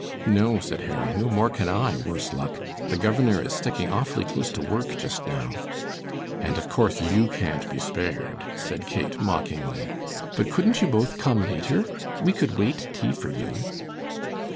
"No," said Harry, "no more can I, worse luck! The governor is sticking awfully close to work just now." "And, of course, you can't be spared," said Kate, mockingly. "But couldn't you both come later? We could wait tea for you.